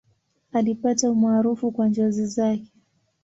Alipata umaarufu kwa njozi zake.